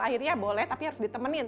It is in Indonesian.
akhirnya boleh tapi harus ditemenin